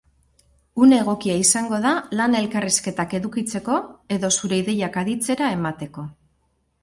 Une egokia izango da lan elkarrizketak edukitzeko, edo zure ideiak aditzera emateko.